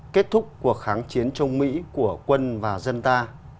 kết thúc cuộc kháng chiến chống mỹ của quân và dân ta